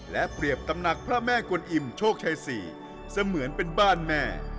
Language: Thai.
และเปรียบตำหนักพระแม่กวนอิ่มโชคชัย๔เสมือนเป็นบ้านแม่